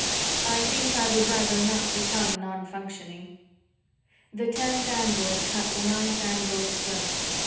"I think I would rather not become nonfunctioning." The tenth android cut the ninth android's throat.